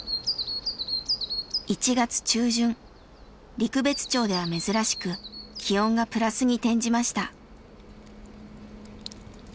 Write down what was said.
陸別町では珍しく気温がプラスに転じました。